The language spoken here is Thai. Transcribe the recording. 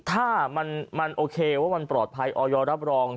ถ้ามันโอเคว่ามันปลอดภัยออยรับรอง